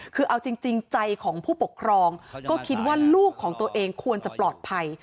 คือเอาจริงใจของผู้ปกครองก็คิดว่าลูกของตัวเองควรจะปลอดภัย